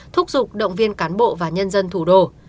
thúc giục động viên cán bộ và nhân dân thủ đô